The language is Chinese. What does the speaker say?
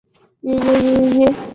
嘉庆七年调湖北。